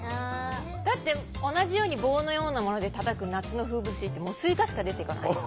だって同じように棒のようなものでたたく夏の風物詩ってもうスイカしか出てこない。